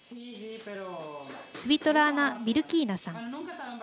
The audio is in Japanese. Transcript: スビトラーナ・ビルキーナさん。